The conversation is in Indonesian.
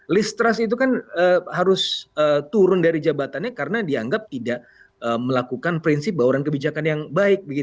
list trust itu kan harus turun dari jabatannya karena dianggap tidak melakukan prinsip bauran kebijakan yang baik